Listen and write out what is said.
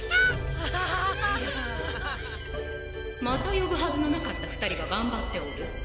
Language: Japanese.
またよぶはずのなかったふたりががんばっておる。